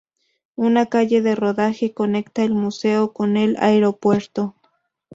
Una calle de rodaje conecta el museo con el aeropuerto.